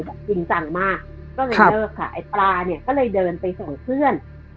จริงจังมากก็เลยเลิกค่ะไอ้ปลาเนี่ยก็เลยเดินไปส่งเพื่อน